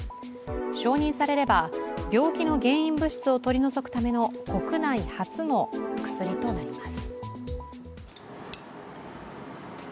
承認されれば、病気の原因物質を取り除くための国内初の薬となります。